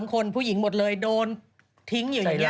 คนผู้หญิงหมดเลยโดนทิ้งอยู่อย่างนี้